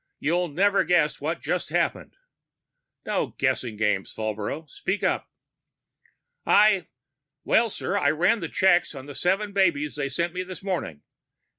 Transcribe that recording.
You'll never guess what just happened " "No guessing games, Falbrough. Speak up." "I well, sir, I ran checks on the seven babies they sent me this morning.